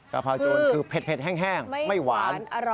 ะเพราโจรคือเผ็ดแห้งไม่หวาน